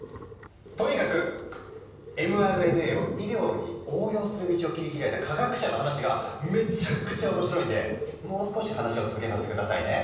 とにかくｍＲＮＡを医療に応用する道を切り開いた科学者の話がめちゃくちゃ面白いんでもう少し話を続けさせて下さいね。